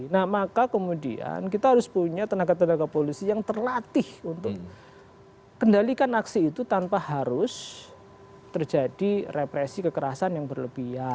nah maka kemudian kita harus punya tenaga tenaga polisi yang terlatih untuk kendalikan aksi itu tanpa harus terjadi represi kekerasan yang berlebihan